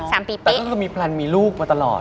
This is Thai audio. แต่ก็ก็คือเราก็มีแปลนมีลูกมาตลอด